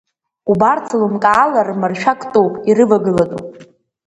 Убарҭ лымкаала рмаршәа ктәуп, ирывагылатәуп.